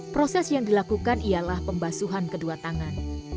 proses yang dilakukan ialah pembasuhan kedua tangan